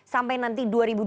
sampai nanti dua ribu dua puluh